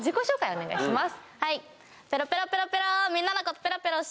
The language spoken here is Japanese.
お願いします